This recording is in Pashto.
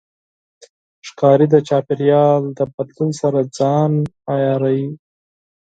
ښکاري د چاپېریال د بدلون سره ځان عیاروي.